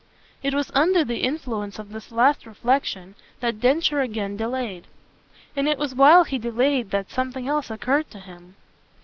It was under the influence of this last reflexion that Densher again delayed; and it was while he delayed that something else occurred to him.